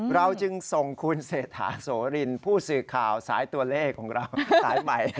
เราจึงทรงคุณเศรษฐาโสรินทร์ผู้สื่อข่าวสายตัวเลขของเรา